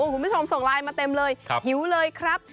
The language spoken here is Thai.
คุณผู้ชมส่งไลน์มาเต็มเลยหิวเลยครับ